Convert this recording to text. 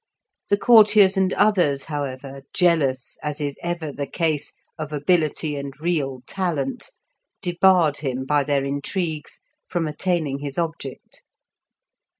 The courtiers and others, however, jealous, as is ever the case, of ability and real talent, debarred him by their intrigues from attaining his object.